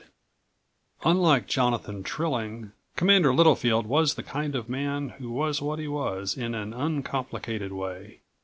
8 Unlike Jonathan Trilling, Commander Littlefield was the kind of man who was what he was in an uncomplicated way.